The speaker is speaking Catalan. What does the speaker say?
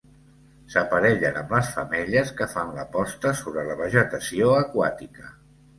S'aparellen amb les femelles que fan la posta sobre la vegetació aquàtica.